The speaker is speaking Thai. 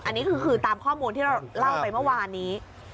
อันนี้คือตามข้อมูลที่เราเล่าไปเมื่อวานนี้